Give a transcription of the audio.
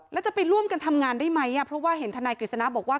แล้วจะไปร่วมกันทำงานได้ไหมเพราะว่าเห็นทนายกฤษณะบอกว่า